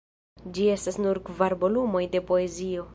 Ĝi estas nur kvar volumoj de poezio.